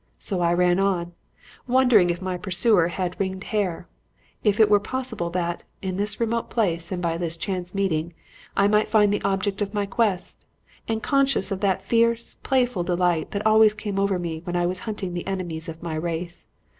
So I ran on, wondering if my pursuer had ringed hair; if it were possible that, in this remote place and by this chance meeting, I might find the object of my quest; and conscious of that fierce, playful delight that always came over me when I was hunting the enemies of my race.